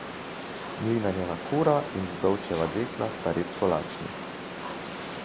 Mlinarjeva kura in vdovčeva dekla sta redko lačni.